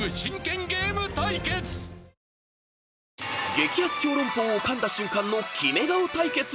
［激熱小籠包を噛んだ瞬間のキメ顔対決］